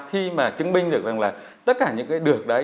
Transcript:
khi mà chứng minh được rằng là tất cả những cái được đấy